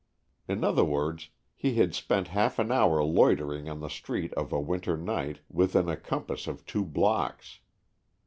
In other words, he had spent half an hour loitering on the street of a winter night within a compass of two blocks.